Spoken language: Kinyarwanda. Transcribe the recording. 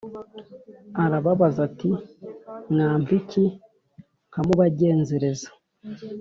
arababaza ati “Mwampa iki nkamubagenzereza?”